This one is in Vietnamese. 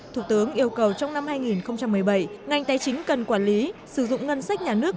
thủ tướng yêu cầu trong năm hai nghìn một mươi bảy ngành tài chính cần quản lý sử dụng ngân sách nhà nước